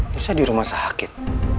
bisa di rumah sakit